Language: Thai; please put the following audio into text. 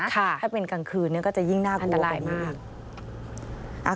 ค่ะอันตรายมากถ้าเป็นกลางคืนนี้ก็จะยิ่งน่ากลัว